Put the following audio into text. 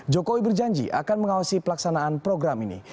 jokowi berjanji akan mengawasi pelaksanaan program ini